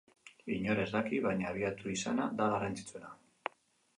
Inork ez daki, baina abiatu izana da garrantzitsuena.